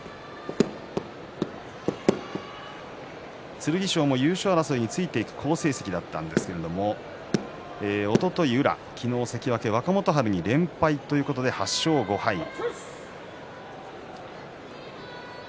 剣翔も優勝争いについていく好成績だったんですがおととい宇良、昨日は関脇若元春に連敗ということで８勝５敗です。